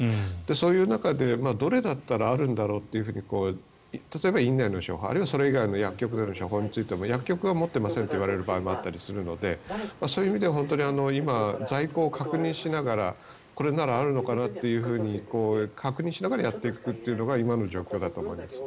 そういう中でどれだったらあるんだろうと例えば院内の処方それ以外の薬局での処方についても薬局は持ってませんと言われる場合もあるのでそういう意味では今、在庫を確認しながらこれならあるのかなって確認しながらやっていくというのが今の状況だと思います。